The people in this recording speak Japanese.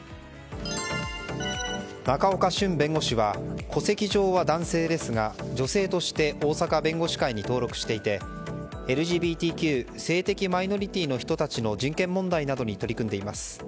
仲岡しゅん弁護士は戸籍上は男性ですが、女性として大阪弁護士会に登録していてＬＧＢＴＱ・性的マイノリティーの人たちの人権問題などに取り組んでいます。